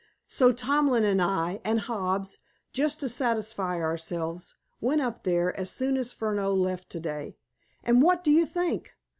So Tomlin and I, and Hobbs, just to satisfy ourselves, went up there as soon as Furneaux left to day. And, what do you think?